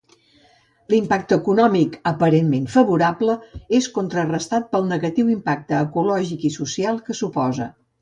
L'impacte econòmic aparentment favorable, és contrarestat pel negatiu impacte ecològic i social que suposa.